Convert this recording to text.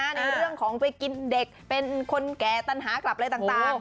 ในเรื่องของไปกินเด็กเป็นคนแก่ตันหากลับอะไรต่าง